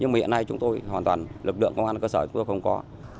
nhưng mà hiện nay chúng tôi hoàn toàn lực lượng công an ở cơ sở chúng tôi không có